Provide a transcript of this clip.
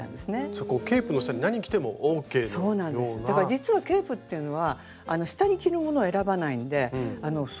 実はケープっていうのは下に着るものを選ばないんです